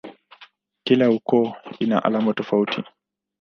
Kila ukoo una alama tofauti.